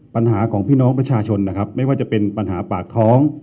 ปัญหาของพี่น้องประชาชนนะครับไม่ว่าจะเป็นปัญหาปากท้อง